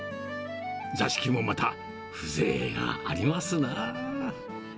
座敷もまた風情がありますなぁ。